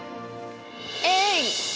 えい！